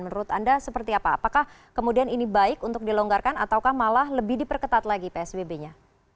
menurut anda seperti apa apakah kemudian ini baik untuk dilonggarkan ataukah malah lebih diperketat lagi psbb nya